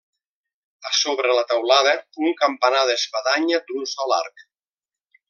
A sobre la teulada, un campanar d'espadanya d'un sol arc.